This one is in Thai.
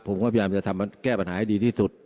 ผมก็พยายามจะทำแก้ปัญหาให้ดีที่สุด